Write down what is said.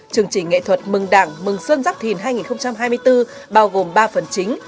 chương trình nghệ thuật mừng đảng mừng xuân giáp thìn hai nghìn hai mươi bốn bao gồm ba phần chính